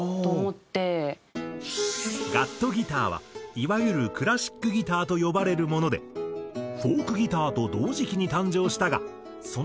ガットギターはいわゆるクラシックギターと呼ばれるものでフォークギターと同時期に誕生したがその場所が違い